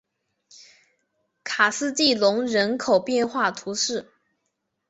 卡斯蒂隆人口变化图示